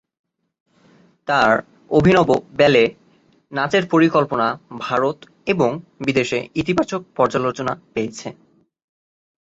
তাঁর অভিনব ব্যালে নাচের পরিকল্পনা ভারত এবং বিদেশে ইতিবাচক পর্যালোচনা পেয়েছে।